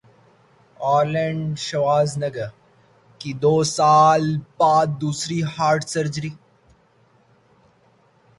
Arnold Schwarzenegger کی دو سال بعد دوسری ہارٹ سرجری